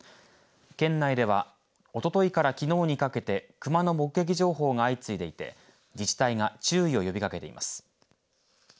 県内ではおとといからきのうにかけて熊の目撃情報が相次いでいて自治体が注意を呼びかけています。